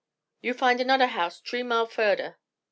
You find anoder house t'ree mile furder."